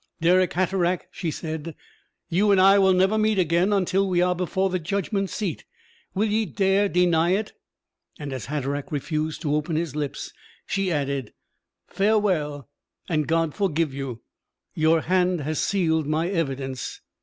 "Dirck Hatteraick," she said, "you and I will never meet again until we are before the Judgment seat will ye dare deny it?" And as Hatteraick refused to open his lips, she added: "Farewell! and God forgive you! your hand has sealed my evidence."